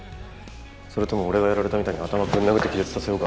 それとも俺がやられたみたいに頭ぶん殴って気絶させようか？